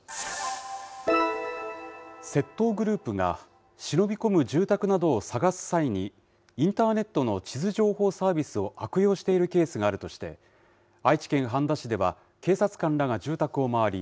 窃盗グループが、忍び込む住宅などを探す際に、インターネットの地図情報サービスを悪用しているケースがあるとして、愛知県半田市では、警察官らが住宅を回り、